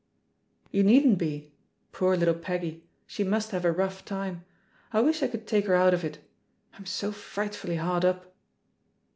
You needn't be. Poor little Peggy I She must have a rough time. I wish I could take her out of it. I'm so frightfully hard up."